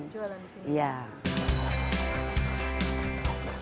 jualan di sini